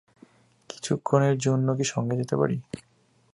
কিছুক্ষণের জন্য কি সঙ্গে যেতে পারি।